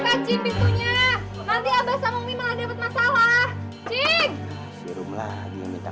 nanti abah sama umi malah dapet masalah